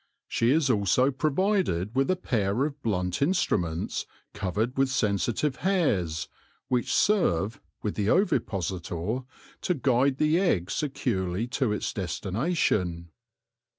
She is also provided with a pair of blunt instruments covered with sensitive hairs, which serve, with the ovipositor, to guide the egg securely to its destination.